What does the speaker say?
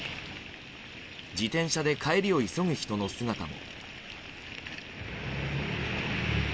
自転車で帰りを急ぐ人の姿も。